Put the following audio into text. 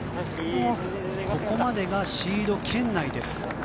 ここまでがシード圏内です。